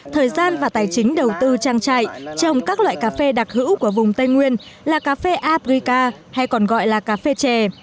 thời gian và tài chính đầu tư trang trại trồng các loại cà phê đặc hữu của vùng tây nguyên là cà phê abrica hay còn gọi là cà phê chè